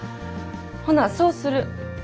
ほなそうする。